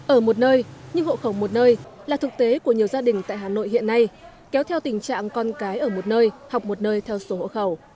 ở một nơi nhưng hộ khẩu một nơi là thực tế của nhiều gia đình tại hà nội hiện nay kéo theo tình trạng con cái ở một nơi học một nơi theo số hộ khẩu